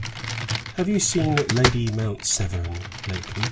"Have you seen Lady Mount Severn lately?"